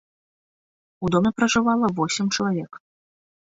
У доме пражывала восем чалавек.